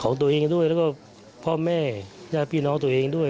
ของตัวเองด้วยพ่อแม่ว่าพี่น้องตัวเองด้วย